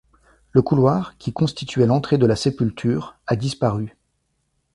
Le couloir, qui constituait l'entrée de la sépulture, a disparu.